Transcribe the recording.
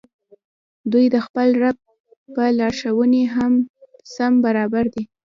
دوى د خپل رب په لارښووني سم او برابر دي